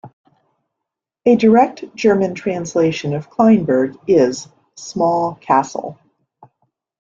A direct German translation of Kleinburg is "small castle".